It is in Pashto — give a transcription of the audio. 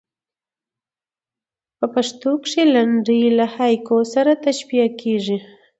په پښتو کښي لنډۍ له هایکو سره تشبیه کېږي.